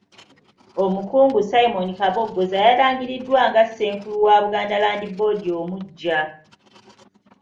Omukungu Simon Kabogoza yalangiriddwa nga Ssenkulu wa Buganda Land Board omuggya.